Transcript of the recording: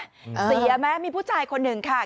เสียไหมมีผู้ชายคนหนึ่งค่ะ